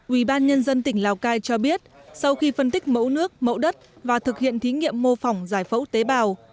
ubnd tỉnh lào cai cho biết sau khi phân tích mẫu nước mẫu đất và thực hiện thí nghiệm mô phỏng giải phẫu tế bào